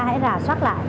hãy rà soát lại